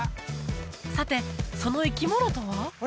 さてその生き物とは？